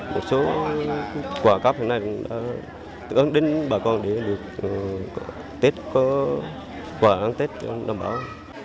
một số quả cắp hôm nay đã tự ấn đến bà con để được quả ăn tết đảm bảo